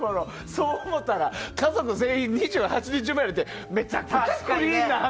そう思ったら家族全員２８日生まれってめちゃクリーンな話。